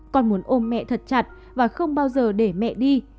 con muốn ôm mẹ thật chặt và không bao giờ để mẹ đi